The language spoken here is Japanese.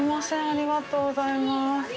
ありがとうございます。